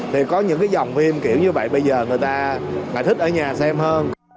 thì có những cái dòng phim kiểu như vậy bây giờ người ta là thích ở nhà xem hơn